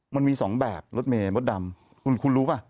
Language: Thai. มันมี๒แบบรถเมย์มดดำคุณรู้ป่ะ